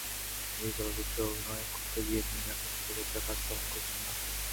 এদিকে চলচ্চিত্রে অভিনয় করতে গিয়ে মিম এখন ছোট পর্দার কাজ তেমন করছেন না।